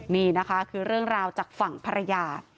นี่นะคะคือเรื่องราวจากฝั่งภรรยา